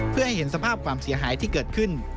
เพื่อให้เห็นสภาพความเสียหายที่เกิดขึ้น